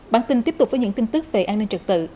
bản tin tiếp tục với những tin tức về an ninh trật tự